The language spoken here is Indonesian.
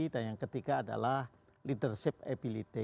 dan yang ketiga adalah leadership ability